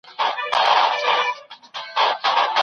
څنګه د جینوا کنوانسیون پلي کیږي؟